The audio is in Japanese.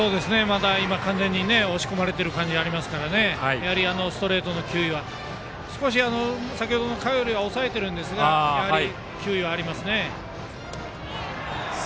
完全に押し込まれている感じがありますからやはりストレートの球威は少し先程よりは抑えていますがやはり球威はありますね。